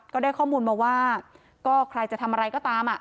ก็ได้ข้อมูลมาว่าก็ใครจะทำอะไรก็ตาม